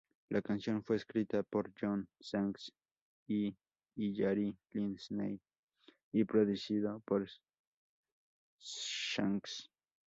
La canción fue escrita por John Shanks y Hillary Lindsey y producido por Shanks.